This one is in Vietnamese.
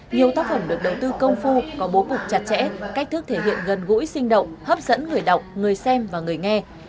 nhiều tác phẩm được đầu tư công phu có bố cục chặt chẽ cách thức thể hiện gần gũi sinh động hấp dẫn người đọc người xem và người nghe